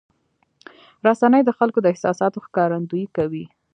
رسنۍ د خلکو د احساساتو ښکارندویي کوي.